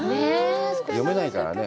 読めないからね。